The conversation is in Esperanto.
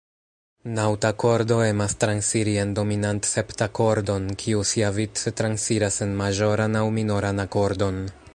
Naŭtakordo emas transiri en dominantseptakordon, kiu siavice transiras en maĵoran aŭ minoran akordon.